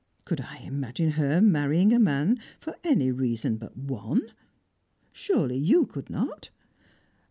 Could I imagine her marrying a man for any reason but one? Surely you could not?"